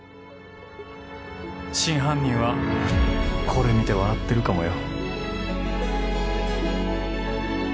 真犯人はこれ見て笑ってるかもよ。